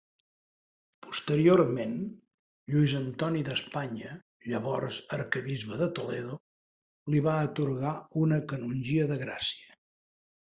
Posteriorment, Lluís Antoni d'Espanya, llavors arquebisbe de Toledo, li va atorgar una canongia de gràcia.